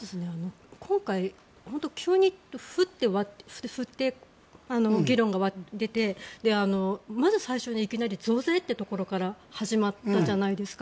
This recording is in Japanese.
今回、急にフッと議論が出てまず最初にいきなり増税というところから始まったじゃないですか。